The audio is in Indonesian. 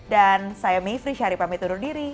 dan saya mie vriesyari pamit undur diri